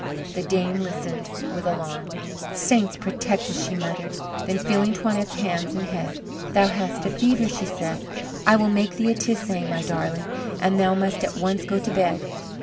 The dame listened with alarm. "Saints protect us," she muttered. Then feeling Toinette's hands and head, "Thou hast a fever," she said. "I will make thee a tisane, my darling, and thou must at once go to bed."